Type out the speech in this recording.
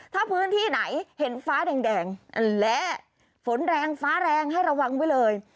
ถ้าพื้นที่ไหนเห็นฟ้าแดงและฝนแรงฟ้าแรงให้ระวังไว้เลย